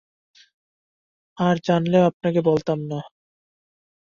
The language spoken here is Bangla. আর জানলেও আপনাকে বলতাম না।